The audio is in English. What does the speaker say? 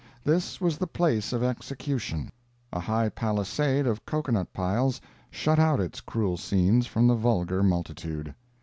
This was the place of execution. A high palisade of cocoa nut piles shut out its cruel scenes from the vulgar multitude.